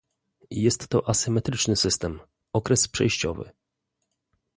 Jest to asymetryczny system, okres przejściowy